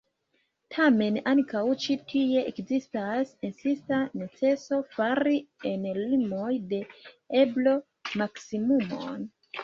Tamen ankaŭ ĉi tie ekzistas insista neceso fari en limoj de eblo maksimumon.